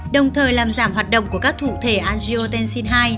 đồng thời làm giảm hoạt động của các thụ thể angiotensin hai